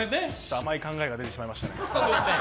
甘い考えが出てしまいましたね。